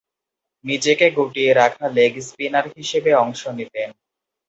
নিজেকে গুটিয়ে রাখা লেগ স্পিনার হিসেবে অংশ নিতেন।